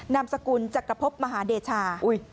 นามสกุลจักรพบมหาเดชา